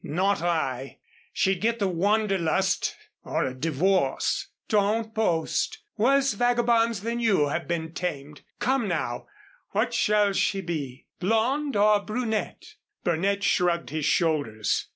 "Not I. She'd get the wanderlust or a divorce." "Don't boast, worse vagabonds than you have been tamed come now, what shall she be blonde or brunette?" Burnett shrugged his shoulders.